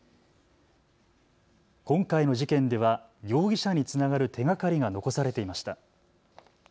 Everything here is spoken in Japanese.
今回の事件では容疑者につながる手がかりが残されていました。